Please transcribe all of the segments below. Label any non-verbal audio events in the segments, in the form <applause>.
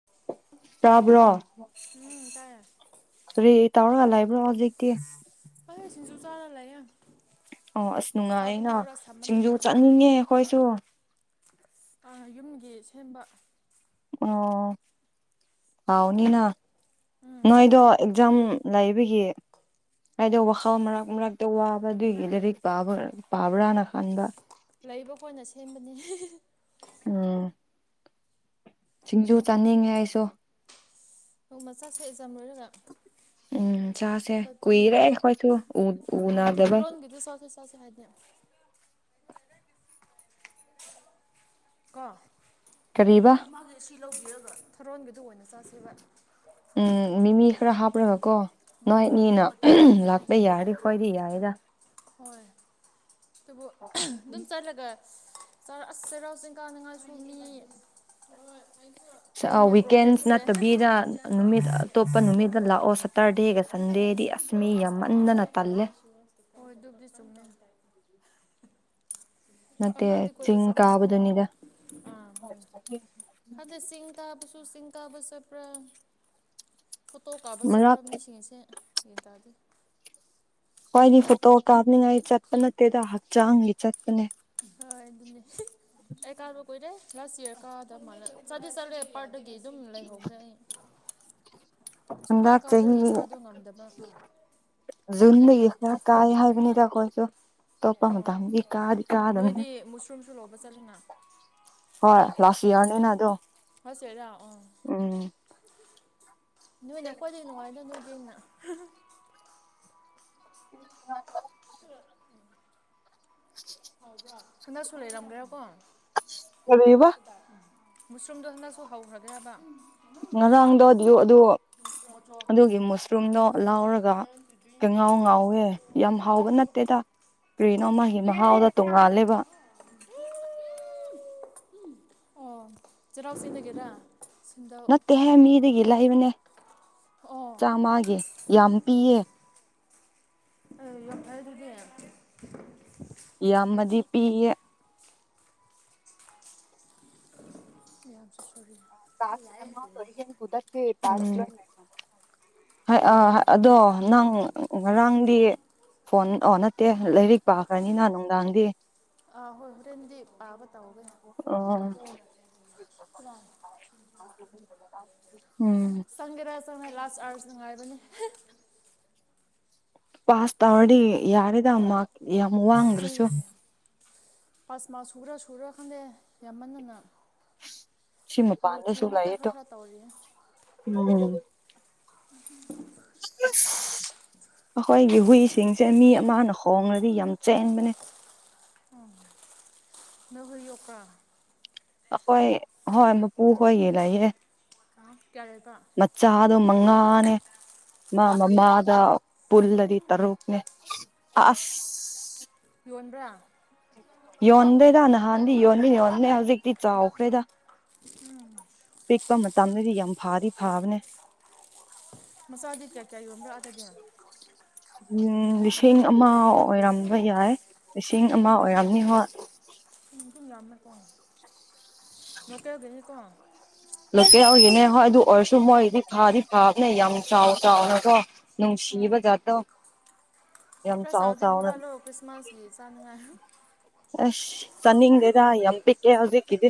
<unintelligible> ꯇꯥꯕ꯭ꯔꯣ ꯎꯝ ꯇꯥꯏ ꯀꯔꯤ ꯇꯥꯎꯔ ꯂꯩꯕ꯭ꯔꯣ ꯍꯧꯖꯤꯛꯇꯤ꯫ ꯑꯁꯁꯤꯡꯖꯨ ꯆꯥꯔ ꯂꯩꯌꯦ꯫ ꯑꯣ ꯑꯁ ꯆꯥꯕ ꯅꯨꯡꯉꯥꯏꯌꯦꯅ ꯍꯦꯛ ꯍꯧꯔ ꯁꯤꯡꯖꯨ ꯁꯥꯃꯟꯗꯅ ꯆꯠꯅꯤꯡꯉꯦ ꯑꯩꯈꯣꯏꯁꯨ꯫ ꯑ ꯌꯨꯝꯒꯤ ꯁꯦꯝꯕ ꯑꯣ ꯍꯥꯎꯅꯤꯅ ꯎꯝ ꯅꯣꯏꯗꯣ ꯑꯦꯛꯖꯥꯝ ꯂꯩꯕꯒꯤ ꯍꯥꯏꯗꯣ ꯋꯥꯈꯜ ꯃꯔꯛ ꯃꯔꯛꯇ ꯋꯥꯕ ꯑꯗꯨꯒꯤ ꯂꯥꯏꯔꯤꯛ ꯄꯥꯕ ꯄꯥꯕ꯭ꯔꯥꯅ ꯈꯟꯕ ꯂꯩꯕ ꯀꯣꯏꯅ ꯁꯦꯝꯕꯅꯤꯅꯦ꯫ ꯎꯝ꯫ ꯁꯤꯡꯖꯨ ꯆꯥꯅꯤꯡꯉꯦ ꯑꯩꯁꯨ ꯅꯣꯡꯃ ꯆꯠꯁꯦ ꯑꯦꯖꯥꯝ ꯂꯣꯏꯔꯒ꯫ ꯎꯝ ꯆꯥꯁꯦ ꯑꯩꯈꯣꯏ ꯄꯨꯟꯅ ꯀꯨꯏꯔꯦ ꯑꯩꯈꯣꯏꯁꯨ ꯎ ꯅꯥꯗꯕꯩ ꯒꯤꯗꯨ ꯁꯥꯁꯦꯁ ꯇꯁꯨ ꯍꯥꯏꯅ꯫ ꯀꯣ ꯀꯔꯤꯕ ꯑꯣ ꯃꯥꯒꯤ ꯁꯤ ꯂꯧꯕꯤꯔꯕ ꯊꯔꯣꯟꯒꯤꯗꯨ ꯑꯣꯏꯅ ꯆꯥꯥꯁꯦꯕ꯫ ꯎꯝ ꯃꯤꯃꯤ ꯈꯔ ꯍꯥꯞꯄꯒꯀꯣ ꯃꯤ ꯑꯩꯈꯣꯏꯅ ꯅꯣꯏꯅꯤꯅ ꯇꯤꯡꯕ ꯂꯧꯕꯗꯤ ꯂꯥꯛꯄ ꯆꯥꯅꯤꯡꯗꯦ ꯌꯥꯔꯤ ꯈꯣꯏꯗꯤ ꯌꯥꯏꯗ ꯍꯣꯏ ꯑꯗꯨꯕꯨ ꯑꯗꯨꯝ ꯆꯠꯂꯒ ꯁꯔ ꯑꯁ ꯆꯩꯔꯥꯎ ꯆꯤꯡ ꯀꯥꯅꯤꯡꯉꯥꯏꯁꯦ ꯃꯤ꯫ ꯁ- ꯑ ꯑꯩꯅ ꯋꯤꯀꯦꯟꯁ ꯅꯠꯇꯕꯤꯗ ꯄ꯭ꯔꯣꯕ꯭ꯂꯦꯝꯁꯦꯅꯤꯡꯉꯦ ꯑꯩꯒꯤ ꯅꯨꯃꯤꯠ ꯑꯇꯣꯞꯄ ꯅꯨꯃꯤꯠꯇ ꯂꯥꯛꯑꯣ ꯁꯇꯔꯗꯦꯒ ꯗꯤ ꯁꯟꯗꯦꯗꯤ ꯑꯁ ꯃꯤ ꯌꯥꯝꯃꯟꯗꯅ ꯇꯜꯂꯦ ꯁꯅ ꯅꯠꯇꯦ ꯑꯔꯥꯗꯤ ꯀꯣꯏ ꯆꯤꯡ ꯄꯁꯟ ꯀꯥꯕꯗꯨꯅꯤꯗ ꯍ ꯍꯗ ꯆꯤꯡ ꯇꯥꯕꯁꯨ ꯆꯤꯡ ꯇꯥꯕ ꯆꯠꯄ꯭ꯔꯥ꯫ ꯐꯣꯇꯣ ꯀꯥꯕꯁꯨ ꯄꯨ꯭ꯔꯥ ꯃꯔꯛ ꯃꯤꯁꯤꯡꯁꯦ ꯌꯥꯟ ꯇꯥꯗꯦ꯫ ꯈꯣꯏꯗꯤ ꯐꯣꯇꯣ ꯀꯥꯞꯅꯤꯡꯉꯥꯏ ꯆꯠꯄ ꯅꯠꯇꯦꯗ ꯍꯛꯆꯥꯡꯒꯤ ꯆꯠꯄꯅꯦ꯫ ꯍꯣꯏ ꯑꯗꯨꯅꯦ ꯑꯦ ꯀꯥꯔꯕꯨ ꯀꯣꯏꯔꯦ ꯂꯥꯁ ꯏꯌꯥꯔ ꯀꯗ ꯃꯥꯜꯂ ꯆꯗꯦ ꯆꯠꯂꯦ ꯄꯥꯔꯠꯇꯗꯒꯤ ꯑꯗꯨꯝ ꯂꯩꯍꯧꯗ꯭ꯔꯦ ꯑꯩ꯫ ꯁꯨꯡꯀꯥ ꯍꯟꯗꯛ ꯀꯥꯗꯕꯒꯤ ꯏꯁꯥꯗꯣ ꯉꯝꯗꯕ ꯑꯗꯨ꯫ ꯨꯟꯗ ꯀꯥꯏ ꯍꯥꯏꯕ ꯇ ꯀꯁꯨꯣ ꯑꯣ ꯅꯣꯏꯗꯤ ꯃꯨꯁꯔꯨꯝꯁꯨ ꯂꯧꯕ ꯆꯠꯂꯨꯅ꯫ ꯍꯣꯏ ꯂꯥꯁ ꯏꯌꯥꯔꯅꯤꯅ ꯑꯗꯣ ꯍꯣꯁꯦꯔ ꯑꯣ꯫ ꯎꯝ꯫ ꯅꯣꯏꯅ ꯈꯣꯏꯗꯩ ꯅꯨꯡꯉꯥꯏꯗ ꯅꯣꯏꯗꯩꯩ ꯍꯦꯟꯅ꯫ <unintelligible> <unintelligible> ꯍꯟꯗꯛꯁꯨ ꯂꯩꯔꯝꯒꯦꯔꯀꯣ꯫ ꯀꯔꯤꯕ ꯃꯨꯁꯔꯨꯝꯗꯣ ꯍꯟꯗꯛꯁꯨ ꯍꯧꯈ꯭ꯔꯒꯦꯔꯕ꯫ ꯉꯔꯥꯡꯗꯣ ꯑꯗꯨ ꯑꯗꯨ ꯑꯗꯨꯒꯤ ꯃꯨꯁꯔꯨꯝꯗꯣ ꯂꯥꯎꯔꯒ ꯀꯥꯉꯧ ꯉꯧꯋꯦ ꯌꯥꯝ ꯍꯥꯎꯕ ꯅꯠꯇꯦꯗ꯫ ꯀꯔ꯭ꯤꯅꯣꯃꯒꯤ ꯃꯍꯥꯎꯗꯣ ꯇꯣꯡꯉꯥꯜꯂꯦꯕ꯫ ꯎ ꯑꯣ ꯆꯩꯔꯥꯎ ꯆꯤꯡꯗꯒꯤꯔꯥ꯫ ꯇꯦꯍꯦ ꯃꯤꯗꯒꯤ ꯂꯩꯥꯛꯕꯅꯦ ꯑꯣ ꯆꯥꯝꯃꯒꯤ ꯌꯥꯝ ꯄꯤꯌꯦ꯫ ꯑ ꯌꯥꯏ ꯑꯗꯨꯗꯤ ꯌꯥꯝꯃꯗꯤ ꯄꯤꯌꯦ꯫ ꯌꯥꯝꯁꯨ ꯁꯔꯤ ꯑꯣ <unintelligible> ꯑꯗꯣ ꯅꯪ ꯉꯔꯥꯡꯗꯤ꯫ ꯐꯣꯟ ꯑꯣ ꯅꯠꯇꯦ ꯂꯥꯏꯔꯤꯛ ꯄꯥꯈ꯭ꯔꯅꯤꯅ ꯅꯨꯡꯗꯥꯡꯗꯤ ꯑꯥ ꯍꯣꯏ ꯍꯣꯔꯦꯟꯗꯤ ꯄꯥꯕ ꯇꯧꯒꯦ ꯑꯣ ꯇ꯭ꯔꯦꯟ ꯎꯝ꯫ ꯆꯪꯒꯦꯔꯥ ꯆꯪꯉ ꯂꯥꯁ ꯑꯥꯔꯁ ꯅꯨꯡꯉꯥꯏꯕꯅꯦ ꯄꯥꯁ ꯇꯋꯥꯗꯤ ꯌꯥꯔꯦꯗ ꯃꯥꯛ ꯌꯥꯝ ꯋꯥꯡꯗ꯭ꯔꯁꯨ꯫ ꯄꯥꯁꯃꯥ ꯁꯨꯨꯔꯥ ꯁꯨꯔꯥ ꯈꯪꯗꯦ ꯌꯥꯝꯃꯟꯅꯅ꯫ ꯁꯤ ꯁꯨꯨ ꯃꯄꯥꯟꯗꯁꯨ ꯉꯥꯛꯇ ꯂꯩꯌꯦꯗꯣ ꯈꯔ ꯈꯔ ꯇꯧꯔꯤꯌꯦ ꯎꯝ <inaudible> ꯑꯁ ꯑꯩꯈꯣꯏꯒꯤ ꯍꯨꯏꯁꯤꯡꯁꯦ ꯃꯤ ꯑꯃꯅ ꯍꯣꯡꯡꯂꯗꯤ ꯌꯥꯝ ꯆꯦꯟꯕꯅꯦ꯫ ꯎꯝ꯫ ꯅ ꯍꯧꯣꯏ ꯑꯣ ꯀꯥ ꯑꯩꯣꯏ ꯍꯣꯏ ꯄꯨ ꯀꯣꯏ ꯌꯦ ꯂꯏꯌꯦꯦ ꯀꯥ ꯀꯌꯥꯗꯥ ꯃꯆꯥꯗꯣ ꯃꯉꯥꯅꯦ ꯃꯥ ꯃꯃꯥꯗ ꯄꯨꯜꯂꯗꯤ ꯇꯔꯨꯛꯅꯦ ꯑꯁ ꯌꯣꯟꯕ꯭ꯔꯥ꯫ ꯌꯣꯟꯗꯦꯗ ꯅꯍꯥꯟꯗꯤ ꯌꯣꯟꯗ ꯌꯣꯟꯗꯦ ꯍꯧꯖꯤꯛꯇꯤ ꯆꯥꯎꯈ꯭ꯔꯦꯗ <inaudible> ꯄꯤꯛꯄ ꯃꯇꯝꯗꯗꯤ ꯌꯥꯝ ꯐꯥꯔꯤ ꯐꯥꯕꯅꯦ꯫ ꯃꯆꯥꯗꯤ ꯀꯌꯥ ꯀꯌꯥ ꯌꯣꯟꯕꯔꯥ ꯑꯗꯥꯗꯤ꯫ ꯎꯝ ꯂꯤꯁꯤꯡ ꯑꯃ ꯑꯣꯏꯔꯝꯕ ꯌꯥꯏ ꯂꯤꯁꯤꯡ ꯑꯃ ꯑꯣꯏꯔꯝꯅꯤ ꯍꯣꯏ꯫ ꯊꯨꯝꯁꯨ ꯌꯥꯝꯝꯃꯦꯀꯣ ꯂꯣꯀꯦꯜꯒꯤꯅꯤꯀꯣ꯫ ꯂꯣꯀꯦꯜ ꯑꯣꯏꯒꯤꯅꯦ ꯍꯣꯏ ꯑꯗꯨ ꯑꯣꯏꯔꯁꯨ ꯃꯣꯏꯗꯤ ꯐꯥꯗꯤ ꯐꯕꯅꯦ ꯌꯥꯝ ꯆꯥꯎ ꯆꯥꯎꯅꯀꯣ꯫ ꯅꯨꯡꯁꯤꯕꯖ ꯇ ꯈ ꯁꯥꯎꯗꯗꯤ ꯍꯨꯔꯥꯜꯂꯣ ꯀ꯭ꯔꯤꯁꯃꯥꯁꯒꯤ ꯆꯥꯅꯨꯡꯉꯥꯏ꯫ ꯑꯁ ꯆꯟꯅꯤꯡꯗꯦꯗ ꯌꯝ ꯄꯤꯛꯑꯦ ꯍꯧꯖꯤꯛꯗꯤ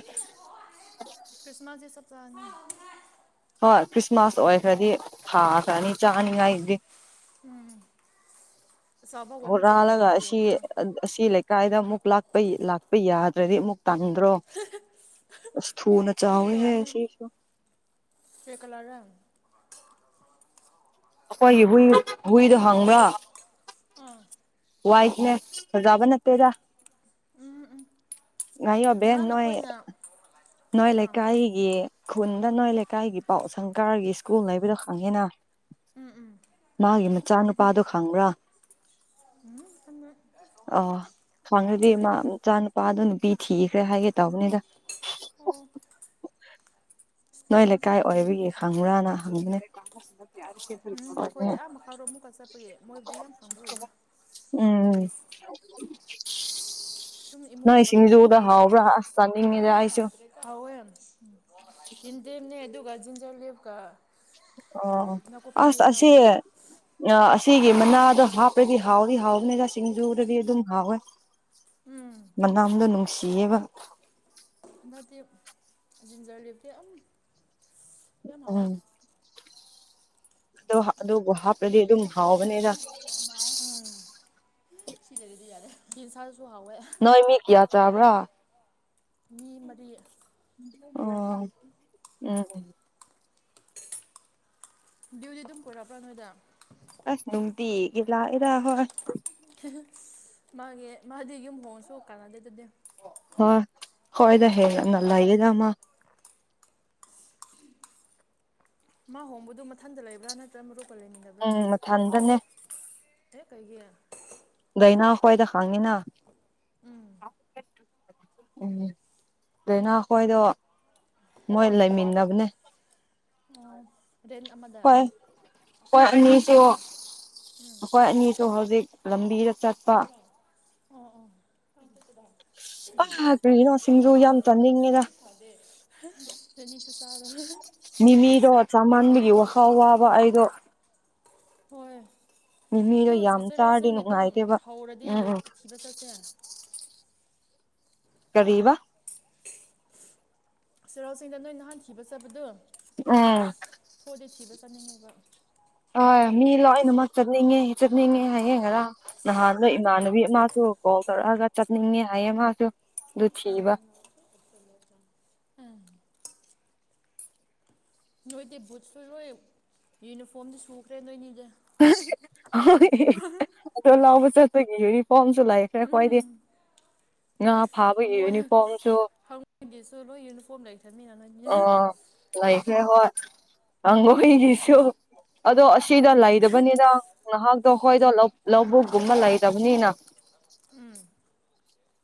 ꯀ꯭ꯔꯤꯅꯖꯤ ꯁꯞꯇꯍꯤꯅꯤ ꯍꯣꯏ ꯈ꯭ꯔꯤꯁꯃꯥꯁ ꯑꯣꯏꯈ꯭ꯔꯗꯤ ꯊꯥꯈ꯭ꯔꯅꯤ ꯆꯥꯅꯤꯉꯥꯏꯒꯤꯗꯤ꯫ ꯎꯝ ꯍꯨꯔꯥꯜꯂꯒ ꯑꯃ ꯑꯁꯤ ꯌꯣꯟꯒꯦꯔꯥ ꯑꯁꯤ ꯂꯩ꯫ ꯀꯥꯏꯗ ꯑꯃꯨꯛ ꯂꯄ ꯂꯥꯛꯄ ꯌꯥꯗ꯭ꯔꯗꯤ ꯑꯃꯨꯛ ꯇꯥꯡꯗ꯭ꯔꯣ ꯑꯁ ꯊꯨꯅ ꯐꯤ ꯆꯥꯎꯋꯦꯍꯦ ꯇꯧꯕꯅꯦ꯫ ꯁꯤꯁꯨ <unintelligible> ꯑꯩꯈꯣꯏꯒꯤ ꯍꯨꯏ ꯍꯨꯏꯗꯣ ꯍꯪꯕ꯭ꯔꯥ꯫ ꯑꯥ꯫ ꯋꯥꯏꯠꯅꯦ ꯐꯖꯕ ꯅꯠꯇꯦꯗ ꯉꯥꯏꯌꯣ ꯑꯕꯦꯟ ꯅꯍꯥꯟ ꯅꯣꯏ ꯑꯩꯈꯣꯏꯅ ꯅꯣꯏ ꯑꯥ ꯂꯩꯀꯥꯏꯒꯤ ꯈꯨꯟꯗ ꯅꯣꯏ ꯂꯩꯀꯥꯏꯒꯤ ꯄꯥꯎ ꯁꯪꯀꯥꯔꯒꯤ ꯁ꯭ꯀꯨꯜ ꯂꯩꯕꯗꯣ ꯈꯪꯉꯦꯅ꯫ ꯎꯝ ꯎꯝ ꯃꯥꯒꯤ ꯃꯆꯥ ꯅꯨꯨꯄꯥꯗꯣ ꯈꯪꯕ꯭ꯔꯥ <unintelligible> ꯑ ꯐꯪꯉꯗꯤ ꯃꯆꯥ ꯅꯨꯨꯄꯥꯗꯣ ꯅꯨꯄꯤ ꯊꯤꯈ꯭ꯔꯦ ꯍꯥꯏꯒꯦ ꯇꯧꯕꯅꯤꯗ꯫ ꯑꯣ ꯁ꯭ꯀꯨꯜ ꯅꯣꯏ ꯉꯥꯛꯇ ꯂꯩꯀꯥꯏ ꯈꯪꯉꯝ ꯑꯣꯏꯕꯒꯤ ꯍꯪꯉ꯭ꯔꯥꯅ ꯍꯪꯕꯅꯦ ꯎꯝ ꯑꯩꯈꯣꯏꯗꯤ ꯑꯥ ꯃꯈꯥꯔꯣ ꯑꯃꯨꯛꯀ ꯆꯠꯄꯒꯤ ꯃꯣꯏꯕꯨꯗꯤ ꯌꯥꯝ ꯍꯪꯕ ꯑꯣꯏꯗꯦ꯫ ꯎꯝ꯫ ꯁꯨꯝ ꯅꯪ ꯏꯃꯨꯡꯒꯨꯝꯕ ꯊꯣꯛꯄ ꯏꯁꯤꯡꯖꯗ ꯑꯣꯏꯗꯤ ꯍꯥꯎꯕ꯭ꯔꯥ ꯈꯪꯉꯦ ꯑꯁ ꯆꯥꯅꯤꯡꯉꯦꯁꯦ ꯑꯩꯁꯨ ꯍꯥꯎꯋꯦ ꯌꯦꯟꯗꯦꯝꯅꯦ ꯑꯗꯨꯒ ꯖꯤꯟꯖꯔ ꯂꯦꯞꯀ ꯑꯣ ꯑꯁ ꯑꯁꯤ꯫ ꯑ ꯑꯁꯤꯒꯤ ꯃꯅꯥꯗꯣ ꯍꯥꯞꯄꯗꯤ ꯍꯥꯎꯗꯤ ꯍꯥꯎꯕꯅꯤꯗ ꯁꯤꯡꯖꯨꯔꯗꯤ ꯑꯗꯨꯝ ꯍꯥꯎꯋꯦ ꯎꯝ ꯃꯅꯥꯝꯗꯣ ꯅꯨꯡꯁꯤꯌꯦꯕ꯫ ꯑꯗ ꯇ ꯖꯤꯟꯖꯔ ꯂꯦꯞꯇꯦ ꯌꯥꯝꯝ ꯀꯌꯥꯝ ꯑꯋꯦ ꯎꯝ ꯑ ꯑꯗꯨ ꯍꯥꯄ꯭ꯔꯗꯤ ꯑꯗꯨꯝ ꯍꯥꯎꯕꯅꯤꯗ ꯎꯝ ꯁꯤꯗ ꯑꯗꯨꯗꯤ ꯌꯥꯔꯦ ꯟꯁꯥꯗꯁꯨ ꯍꯥꯎꯋꯦ ꯅꯣꯏ ꯃꯤ ꯀꯌꯥ ꯆꯕꯔꯥ ꯃꯤ ꯃꯔꯤ ꯑꯣ ꯎꯝ ꯗꯨꯗꯤ ꯑꯗꯨꯝ ꯄꯨꯔꯛꯑꯕ꯭ꯔꯥ ꯅꯣꯏꯗꯥ ꯑꯁ ꯅꯨꯡꯇꯤꯒꯤ ꯂꯥꯛꯏꯗ ꯍꯣꯏ ꯃꯥꯒꯤ ꯃꯥꯗꯤ ꯌꯨꯝ ꯍꯣꯡꯁꯨ ꯀꯥꯟꯅꯗꯦ ꯑꯗꯨꯗꯤ ꯍ ꯍꯣꯏꯗ ꯍꯦꯟꯅ ꯂꯩꯒꯦꯗ ꯃꯥ ꯃꯥ ꯍꯣꯡꯕꯗꯨ ꯃꯊꯟꯗ ꯂꯩꯕ꯭ꯔꯥ ꯅꯠꯇ꯭ꯔꯒ ꯃꯔꯨꯞꯀ ꯂꯩꯅꯤꯡꯕ꯭ꯔꯥ ꯎꯝ ꯃꯊꯟꯗꯅꯦ ꯍꯦ ꯀꯩꯒꯤ ꯂꯩꯅꯥ ꯈꯣꯏꯗ ꯍꯪꯉꯤꯅꯤꯅ ꯂꯩꯅꯥ ꯈꯣꯏꯗꯣ ꯃꯣꯏ ꯂꯩꯃꯤꯟꯅꯕꯅꯦ ꯑꯣ ꯔꯦꯟ ꯑꯃꯗ ꯍꯣꯏ ꯑꯩꯈꯣꯏ ꯑꯅꯤꯁꯨ ꯑꯩꯈꯣꯏ ꯑꯅꯤꯁꯨ ꯍꯧꯖꯤꯛ ꯂꯝꯕꯤꯗ ꯆꯠꯄ ꯑꯣ ꯑꯣ <unintelligible> ꯑ ꯀꯔꯤꯅꯣ ꯁꯤꯡꯖꯨ ꯌꯥꯝ ꯆꯥꯅꯤꯡꯉꯦꯗ ꯅꯣꯏ ꯅꯤ ꯁꯨ ꯆꯥꯔꯣ ꯃꯤꯃꯤꯗꯣ ꯆꯥꯃꯟꯕꯒꯤ ꯋꯥꯍꯥꯎ ꯋꯥꯕ ꯑꯩꯗꯣ ꯍꯣꯏ ꯃꯤꯃꯤꯗꯣ ꯑꯗꯨ ꯌꯥꯝ ꯆꯩꯔꯥꯎ ꯆꯥꯔꯗꯤ ꯆꯤꯡꯒꯤꯗꯣ ꯅꯨꯡꯉꯥꯏꯇꯦꯕ ꯍꯧꯔꯗꯤ ꯎꯝ ꯎꯝ ꯊꯤꯕ ꯆꯠꯁꯦ ꯀꯔꯤꯕ <unintelligible> ꯆꯩꯔꯥꯎ ꯆꯤꯡꯗ ꯅꯣꯏ ꯅꯍꯥꯟ ꯊꯤꯕ ꯆꯠꯕꯗꯨ ꯎꯝ ꯊꯣꯏꯗꯤ ꯊꯤꯕ ꯆꯠꯅꯤꯡꯉꯦꯕ ꯍꯣꯏ ꯃꯤ ꯂꯣꯏꯅꯃꯛ ꯆꯠꯅꯤꯡꯉꯦ ꯆꯠꯅꯤꯡꯉꯦ ꯍꯌꯦꯡ ꯈꯔ ꯅꯍꯥꯟꯗ ꯏꯃꯥꯟꯅꯕꯤ ꯑꯃꯁꯁꯨ ꯀꯣꯜ ꯇꯧꯔꯛꯑꯒ ꯆꯠꯅꯤꯡꯉꯦ ꯍꯥꯏꯌꯦ ꯃꯥꯁꯨ ꯑꯗꯨ ꯑꯝ ꯊꯤꯕ ꯅꯣꯏꯗꯤ ꯕꯨꯠꯁꯨ ꯂꯣꯏ ꯌꯨꯅꯤꯐꯣꯔꯝꯗꯤ ꯁꯨꯈ꯭ꯔꯦ ꯅꯣꯏꯅꯤꯗꯤ ꯑꯗꯣ ꯂꯥꯎꯕ ꯆꯠꯄꯒꯤ ꯌꯨꯅꯤꯐꯣꯔꯝꯁꯨ ꯂꯥꯛꯑꯦ ꯈꯔꯦ ꯈ꯭ꯋꯥꯏꯗꯤ ꯉ ꯐꯥꯕꯒꯤ ꯌꯨꯅꯤꯐꯣꯔꯝꯁꯨ ꯂꯣꯢ ꯌꯨꯅꯤꯐꯣꯔꯃ ꯂꯩꯇꯔꯥꯃꯤꯅꯥ ꯂꯥꯏꯈ꯭ꯔꯦ ꯍꯣꯏ ꯀꯥꯡꯕꯨꯒꯤꯁꯨ ꯑꯗꯣ ꯑꯁꯤꯗ ꯂꯩꯕꯅꯤꯅ ꯉꯍꯥꯛꯇꯣ ꯍꯣꯏꯗꯣ ꯂꯧꯕꯨꯛꯒꯨꯝꯕ ꯂꯩꯇꯕꯅꯤꯅ ꯎꯝ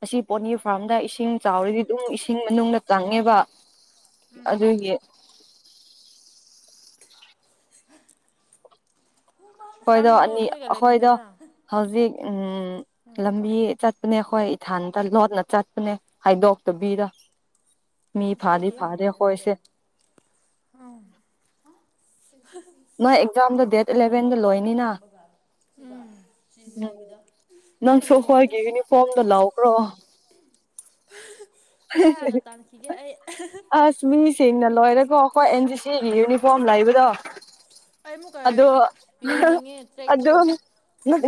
ꯑꯁꯤ ꯄꯣꯠꯅꯤ ꯐꯥꯔꯝꯗ ꯏꯁꯤꯡ ꯆꯥꯎꯔꯗꯤ ꯑꯗꯨꯝ ꯏꯁꯤꯡ ꯃꯅꯨꯡꯗ ꯆꯪꯉꯦꯕ ꯑꯗꯨꯒꯤ ꯑꯩꯈꯣꯏꯗꯣ ꯇꯥꯡꯗꯣ ꯑꯅꯤ ꯅꯣꯏꯒ ꯑꯩꯈꯣꯏꯗꯣ ꯂꯩꯃꯤꯟꯅꯕ꯭ꯥ ꯍꯧꯖꯤꯛ ꯎꯝ ꯂꯝꯕꯤ ꯆꯠꯄꯅꯦ ꯑꯩꯈꯣꯏ ꯏꯊꯥꯟꯇ ꯂꯣꯠꯅ ꯆꯠꯄꯅꯦ ꯍꯥꯏꯗꯣꯛꯇꯕꯤꯔ ꯃꯤ ꯏꯟꯐꯨꯁꯤꯁꯨ ꯐꯥꯗꯤ ꯇꯝꯃꯤ ꯐꯥꯗꯦ ꯃꯥꯜꯂꯦ ꯃꯥꯗꯣ ꯀꯣꯏꯁꯦ <unintelligible> ꯅꯣꯏ ꯑꯦꯛꯖꯥꯝꯗꯣ ꯗꯦꯠ ꯑꯦꯂꯚꯦꯟꯗ ꯂꯣꯏꯅꯤꯅ ꯎꯝ ꯍꯥꯟꯅ ꯂꯣꯏꯒꯅꯤꯗ ꯐꯣꯝꯗꯣ ꯂꯥꯎꯈ꯭ꯔꯣ ꯄꯩꯁꯥ ꯍꯥꯟꯅ ꯇꯥꯟꯈꯤꯒꯦ ꯑꯩ ꯃꯤꯁꯦꯡꯅ ꯂꯣꯏꯔꯦꯀꯣ ꯑꯩꯈꯣꯏ ꯑꯦꯟ ꯖꯤ ꯁꯤꯒꯤ ꯌꯨꯅꯤꯐꯣꯔꯝ ꯂꯩꯕꯗꯣ ꯑꯩ ꯑꯃꯨꯛꯀ ꯑꯗꯣ ꯌꯣꯟꯅꯤꯡꯉꯦ ꯇ꯭ꯔꯦꯛꯇꯨ ꯑꯗꯣ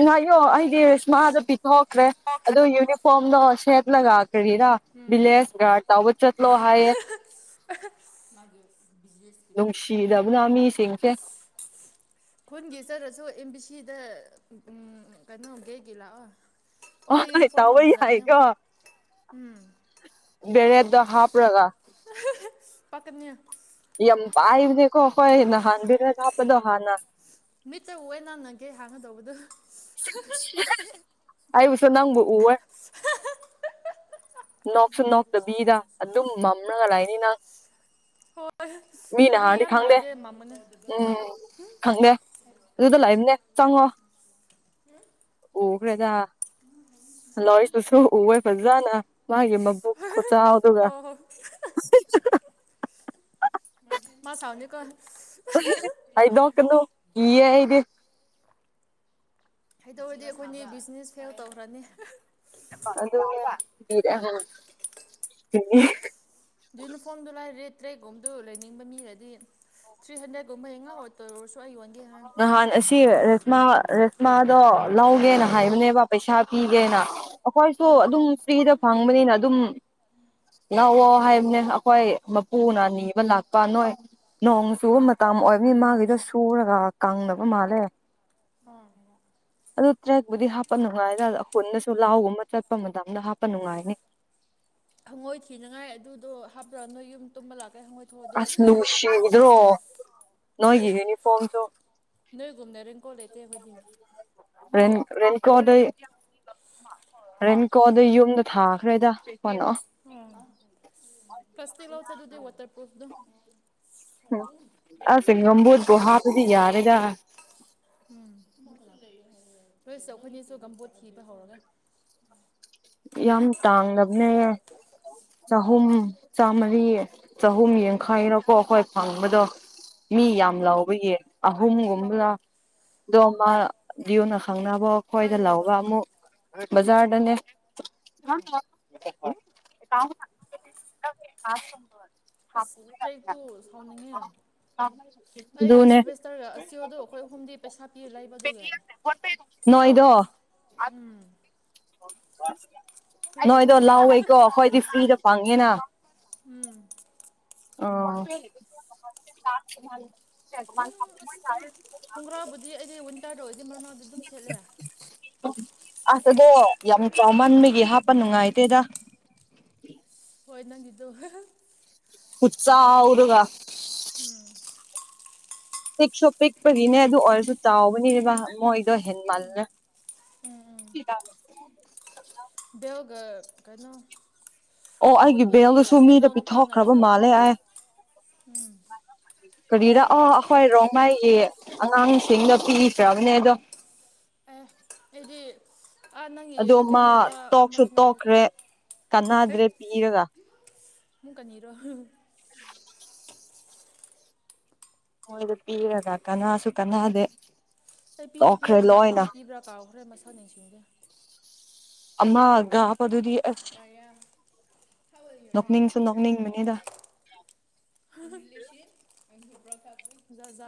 ꯉꯌꯣ ꯑꯩꯗꯤꯏꯁꯃꯥꯁꯨ ꯄꯤꯊꯣꯛꯈ꯭ꯔꯦ꯫ ꯑ ꯌꯨꯅꯤꯐꯣꯔꯝꯗꯣ ꯁꯦꯠꯂꯒ ꯀꯔꯤꯔꯥ ꯚꯂꯦꯖ ꯒꯥꯔꯗ ꯇꯧꯕ ꯆꯠꯂꯣ ꯍꯥꯏꯌꯦꯦ ꯃꯥꯒꯤꯦ ꯕꯤꯅꯦꯁ ꯅꯨꯡꯁꯤꯗꯕꯅ ꯃꯤꯁꯤꯡꯁꯦ ꯈꯨꯟꯒꯤ ꯆꯔꯁꯨ ꯑꯦꯝ ꯕꯤ ꯁꯤꯗ ꯀꯩꯅꯣꯒꯤꯒꯤ ꯂꯥꯛꯑꯣ꯫ ꯑꯩꯈꯣꯏ ꯍꯣꯏ ꯌꯨꯅꯤꯐꯣꯔꯝ ꯇꯧꯕ ꯀꯝꯃꯜꯂꯕꯅ ꯌꯥꯏꯀꯣ ꯎꯝ ꯕꯔꯦꯗ ꯍꯥꯞ꯭ꯔꯒ ꯄꯀꯅꯤꯌꯥ ꯌꯥꯝ ꯄꯥꯏꯕꯅꯦꯀꯣ ꯍꯈꯣꯏ ꯅꯍꯥꯟ ꯍꯤꯗꯥꯛ ꯀꯥꯞꯄꯗꯣ ꯍꯥꯟꯅ꯫ ꯃꯤꯠꯠꯇꯦ ꯅꯥꯟꯅꯒꯦ ꯍꯥꯡꯒꯗꯧꯕꯗꯨ ꯑꯕꯨꯁ ꯅꯪꯕꯨ ꯅꯣꯛꯁꯨ ꯅꯣꯛꯇꯕꯤꯗ ꯑꯗꯨꯝ ꯃꯝꯅꯒ ꯂꯏꯅꯤ ꯅꯪ ꯃꯤꯅ ꯍꯔꯤ ꯍꯥꯟꯅꯗꯤ ꯈꯪꯗꯦ ꯌꯥꯝꯅꯗ ꯃꯃꯟ ꯎꯝ ꯈꯪꯗꯦ ꯑꯗꯨꯗ ꯂꯥꯛꯏꯝꯅꯦ ꯆꯪꯉꯣ ꯎꯈ꯭ꯔꯦꯗ ꯑꯗꯨ ꯍ ꯂꯣꯔꯤꯄꯨꯁꯨ ꯎꯋꯦ ꯐꯖꯅ ꯃꯥꯒꯤ ꯃꯕꯨꯛ꯫ ꯈꯆꯥ ꯇꯒ ꯍꯣꯏ ꯍꯣꯏ ꯃꯥ ꯁꯃꯅꯤꯀꯣ ꯑꯩ ꯅꯣꯀꯅꯣ ꯀꯤꯌꯥ ꯏꯗꯤ ꯍꯥꯏꯗꯧꯔꯗꯤ ꯑꯩꯈꯣꯏꯅꯦ ꯕꯤꯖꯤꯅꯦꯁ ꯐꯦꯜ ꯇꯧꯈ꯭ꯔꯅꯤ ꯑꯗꯨꯅꯦ <inaudible> ꯗꯨꯏꯅꯤ ꯐꯣꯝꯗꯣ ꯂꯥꯏꯔꯤ ꯇ꯭ꯔꯦꯒꯨꯝꯗ ꯂꯩꯅꯤꯡꯕ ꯃꯤꯂꯩꯔꯗꯤ꯫ ꯊ꯭ꯔꯤ ꯍꯟꯗ꯭ꯔꯦꯠꯨꯝꯕ ꯍ ꯉꯥꯛꯑꯣꯔ ꯇꯣꯏꯔꯨꯔꯁꯨ ꯑꯩ ꯌꯣꯟꯒꯦ ꯍꯥꯏꯔ ꯅꯍꯥꯟ ꯑꯁꯤ ꯔꯦꯁꯃꯥ ꯔꯦꯁꯃꯥꯗꯣ ꯂꯧꯒꯦꯅ ꯑꯥ ꯍꯥꯏꯕꯅꯦꯕ ꯄꯩꯁꯥ ꯄꯤꯒꯦꯅ ꯑꯩꯈꯣꯏꯁꯨ ꯑꯗꯨꯝ ꯐ꯭ꯔꯤꯗ ꯐꯪꯕꯅꯤꯅ ꯑꯗꯨꯝ ꯂꯥꯛꯋ ꯍꯥꯏꯕꯅꯦ ꯑꯩꯈꯣꯏ ꯃꯄꯨꯅ ꯑꯣ ꯅꯤꯕ ꯂꯥꯛꯄ ꯅꯣꯏ ꯅꯣꯡ ꯆꯨ ꯇꯝ ꯑꯣꯏꯕꯅꯤ ꯃꯥꯒꯤꯗꯣ ꯁꯨꯔꯒ ꯀꯪꯗꯅꯕ ꯃꯥꯜꯂꯦ ꯃꯥꯅꯦꯕ꯫ ꯑꯗꯨ ꯇ꯭ꯔꯦꯛꯄꯨꯗꯤ ꯍꯥꯞꯄ ꯅꯨꯡꯉꯥꯏ ꯑꯩꯈꯨꯅꯁꯨ ꯂꯥꯎꯒꯨꯝꯕ ꯆꯠꯄ ꯃꯇꯝꯗ ꯍꯥꯞꯄ ꯅꯨꯡꯉꯥꯏꯅꯤ ꯍꯪꯒꯣꯏ ꯊꯤꯅꯉꯥꯏ ꯑꯗꯨꯗꯣ ꯍꯥꯞꯄꯔ ꯅꯣꯏ ꯌꯨꯝ ꯇꯨꯝꯕ ꯂꯥꯛꯀꯩ ꯍꯪꯉꯣꯏ ꯊꯣꯛꯑꯗꯤ ꯑꯁ ꯂꯨꯁꯤꯗ꯭ꯔꯣ ꯅꯣꯏꯒꯤ ꯌꯨꯅꯤꯐꯣꯔꯝꯁꯨ ꯅꯣꯏꯒꯨꯝꯅꯔꯦꯡ ꯀꯣꯜ ꯂꯩꯇꯦ ꯑꯩꯈꯣꯏꯗꯤ ꯔ ꯔꯦꯟ ꯀꯣꯗ ꯔꯦꯅꯤꯀꯣ ꯑꯗ ꯌꯨꯝꯗ ꯊꯥꯈ꯭ꯔꯦꯗ ꯀ ꯀꯅꯣ ꯎꯝ꯫ ꯀꯁꯇꯤ ꯃꯥꯎꯆ ꯑꯗꯨꯗꯤ ꯋꯥꯇꯔꯄ꯭ꯔꯨꯐꯇꯣ꯫ ꯑꯁ ꯉꯝꯝꯕꯣꯗ ꯣ ꯍꯥꯥꯄꯗꯤ ꯌꯥꯔꯦꯗ ꯎꯝ ꯍꯣꯏꯁꯨꯈꯣꯏꯅꯤꯁꯨ ꯒꯝꯕꯣꯠ ꯊꯤꯕ ꯍꯧꯔꯒꯦ ꯌꯥꯝ ꯇꯥꯡꯅꯦ ꯆꯍ ꯆꯥꯝꯃꯔꯤ ꯆꯍꯨꯝ ꯌꯥꯡꯈꯥꯏꯔꯣꯀꯣ ꯑꯩꯈꯣꯏ ꯐꯪꯕꯗꯣ ꯃꯤ ꯌꯥꯝ ꯂꯥꯎꯕ ꯌꯦꯟ ꯑꯍꯨꯝꯒꯨꯝꯕꯂ ꯗꯣꯃꯥ ꯌꯨꯅꯥ ꯈꯪꯅꯕꯅꯕꯣ ꯑꯩꯈꯣꯏꯗ ꯀꯥꯏ ꯂꯧꯒ ꯂꯧꯕ ꯑꯃꯨꯛ ꯕꯖꯥꯔꯗꯅꯦ꯫ <inaudible> ꯑꯁ ꯇ꯭ꯔꯦꯛꯇꯨ ꯁꯥꯎꯅꯤꯡꯉꯦ ꯑꯩꯒ ꯑꯗꯨꯅꯦ ꯁꯨꯕꯦꯁꯇꯔꯒ ꯑꯆꯤꯗꯣ ꯑꯩꯈꯣꯏ ꯑꯍꯨꯝꯗꯤ ꯄꯩꯁꯥ ꯄꯤꯔ ꯂꯩꯕꯗꯨꯒ ꯅꯣꯏꯗꯣ ꯎꯝ <inaudible> ꯐ꯭ꯔꯤꯒꯤ ꯅꯣꯏꯗꯣ ꯐꯪꯗꯕ ꯂꯥꯎꯋꯦꯀꯣ ꯑꯩꯈꯣꯏꯗꯤ ꯐ꯭ꯔꯤꯗ ꯐꯪꯉꯦꯅ꯫ ꯑꯣ ꯌꯨꯝ ꯑꯁ ꯈꯣꯡꯒ꯭ꯔꯥꯕꯨꯗꯤ ꯑꯩꯗꯤ ꯋꯤꯟꯇꯔꯗ ꯑꯣꯏꯗꯤ ꯃꯔꯃꯥꯗꯗꯤ ꯑꯗꯨꯝ ꯁꯦꯠꯂꯦ ꯑꯁ ꯑꯗꯣ ꯌꯥꯝ ꯆꯥꯎꯃꯟꯕꯒꯤ ꯍꯥꯞꯄ ꯅꯨꯡꯉꯥꯏꯇꯦꯗ ꯍꯣꯏ ꯅꯪꯒꯤꯗꯣ ꯍꯠꯆꯥ ꯍꯧꯔꯒ ꯎꯝ꯫ ꯄꯤꯛꯁꯨ ꯄꯤꯛꯄꯒꯤꯅꯦ ꯑꯗꯨ ꯑꯣꯏꯔꯁꯨ ꯆꯥꯎꯕꯅꯤꯅꯦꯕ ꯃꯣꯏꯗꯣ ꯍꯦꯟ ꯃꯜꯂꯦ꯫ ꯎꯝ ꯁꯤꯇ ꯕꯤꯜꯒ ꯀꯩꯅꯣ ꯑꯣ ꯑꯩꯒꯤ ꯚꯕꯨꯠꯄꯨꯗꯤ ꯕꯦꯜꯗꯨꯁꯨ ꯃꯤꯗ ꯏꯅꯥꯎ ꯅꯨꯄꯥꯅ ꯄꯤꯊꯣꯛꯈ꯭ꯔꯕ ꯂꯧꯈ꯭ꯔꯕꯅꯦ ꯃꯥꯜꯂꯦ ꯎꯝ ꯀꯔꯤꯗ ꯑ ꯑꯩꯈꯣꯏ ꯔꯣꯡꯃꯩꯒꯤ ꯑꯉꯥꯡꯁꯤꯡꯗꯣ ꯄꯤꯈ꯭ꯔꯕꯅꯦ ꯑꯗꯣ꯫ ꯑꯦ ꯑꯩꯗꯤ꯫ ꯑꯥ ꯅꯪꯒꯤ ꯑꯗꯣ ꯃꯩꯇꯩ ꯃꯥ ꯅꯨꯄꯥ ꯇꯣꯛꯁꯨ ꯑꯃꯗꯨꯅ ꯂꯧꯈ꯭ꯔꯦ ꯇꯣꯛꯈ꯭ꯔꯦ ꯍꯦ ꯀꯥꯟꯅꯗ꯭ꯔꯦ ꯄꯤꯔꯒ ꯁꯨꯡ ꯀꯅꯤꯔꯣ <inaudible> ꯃꯣꯏꯗ ꯄꯤꯔꯒ ꯀꯅꯥꯁꯨ ꯀꯅꯥꯗꯦ꯫ ꯑꯩ ꯄꯤꯗꯤ ꯄꯤꯔꯦ ꯇꯣꯛꯈ꯭ꯔꯦ ꯂꯣꯏꯅ ꯀꯅꯥꯉꯣꯟꯗ ꯄꯤꯕ꯭ꯔꯥ ꯀꯥꯎꯈ꯭ꯔꯦ ꯃꯁꯥ ꯅꯤꯡꯁꯤꯡꯗꯦ꯫ ꯑꯃꯒ ꯄꯗꯨꯗꯤ ꯑꯁ꯫ ꯅꯣꯛꯅꯤꯡꯁꯨ <unintelligible> ꯅꯣꯛꯅꯤꯡꯕꯅꯤꯗ ꯭ <unintelligible>